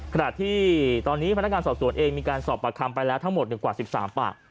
ขณะที่ตอนนี้พนักงานสอบสวนเองมีการสอบปากคำไปแล้วทั้งหมดกว่า๑๓ปาก